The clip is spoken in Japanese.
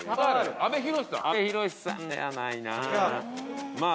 阿部寛さんではないなぁ。